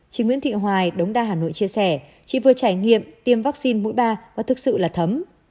chị nguyễn thị hoài đống đa hà nội chia sẻ chị vừa trải nghiệm tiêm vaccine mũi ba và thực sự là thấm